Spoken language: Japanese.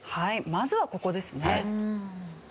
まずはここですね。